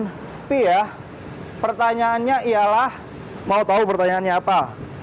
tapi ya pertanyaannya ialah mau tahu pertanyaannya apa